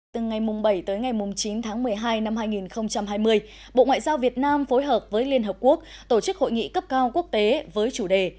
từ ngày bảy tới ngày chín tháng một mươi hai năm hai nghìn hai mươi bộ ngoại giao việt nam phối hợp với liên hợp quốc tổ chức hội nghị cấp cao quốc tế với chủ đề